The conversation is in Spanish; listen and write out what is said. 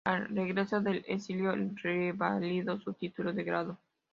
Al regreso del exilio revalidó su título de grado.